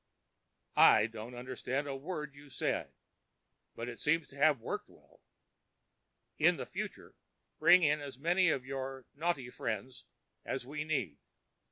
"I don't understand a word you say, but it seems to have worked well. In the future, bring in as many of your Noughty friends as we need.